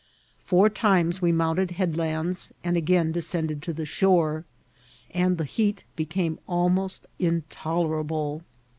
Four times we mount* ed headlands and again descended to the shore, and the heat became almost intolerable.